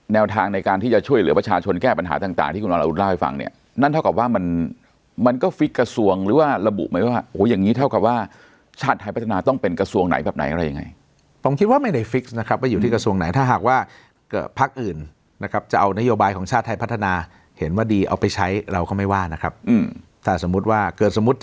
นั่นเท่ากับว่ามันมันก็กระทรวงหรือว่าระบุไหมว่าโอ้อย่างงี้เท่ากับว่าชาติไทยพัฒนาต้องเป็นกระทรวงไหนแบบไหนอะไรยังไงผมคิดว่าไม่ได้นะครับว่าอยู่ที่กระทรวงไหนถ้าหากว่าเกิดพักอื่นนะครับจะเอานโยบายของชาติไทยพัฒนาเห็นว่าดีเอาไปใช้เราก็ไม่ว่านะครับอืมถ้าสมมุติว่าเกิดสมมุติจ